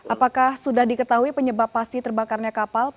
apakah sudah diketahui penyebab pasti terbakarnya kapal